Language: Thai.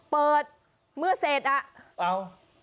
เปิดเมื่อเสร็จอ่ะเอา